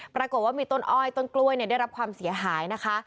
ปรากฏว่ามีต้นอ้อยต้นกล้วยได้รับความเสียหายนะคะ